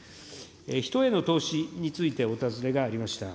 人への投資について、お尋ねがありました。